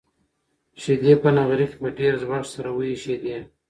شيدې په نغري کې په ډېر زوږ سره وایشېدې.